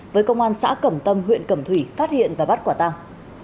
với công an xã cẩm tâm huyện cẩm thủy phát hiện và bắt quả tàng